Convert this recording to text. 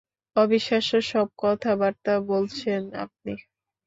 অবিশ্বাস্য সব কথাবার্তা বলছেন আপনি!